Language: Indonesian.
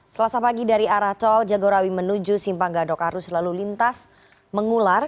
selasa pagi dari arah tol jagorawi menuju simpang gadok arus lalu lintas mengular